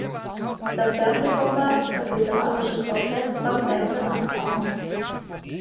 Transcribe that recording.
Das Fernsehformat "Das Literarische Quartett" fand mehrere Nachahmer.